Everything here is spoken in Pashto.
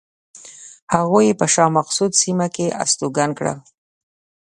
هغوی یې په شاه مقصود سیمه کې استوګن کړل.